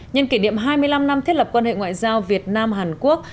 nhân kỷ niệm hai mươi năm năm thiết lập quan hệ ngoại giao việt nam hàn quốc